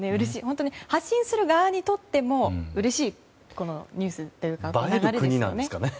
発信する側にとってもうれしいニュースというか流れですよね。